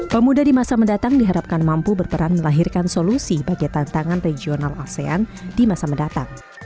pemuda di masa mendatang diharapkan mampu berperan melahirkan solusi bagi tantangan regional asean di masa mendatang